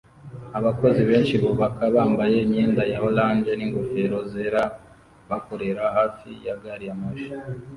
Abakozi benshi bubaka bambaye imyenda ya orange n'ingofero zera bakorera hafi ya gari ya moshi